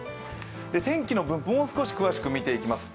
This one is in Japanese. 天気の分布、もう少し詳しく見ていきますと